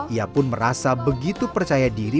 ia pun merasa begitu percaya diri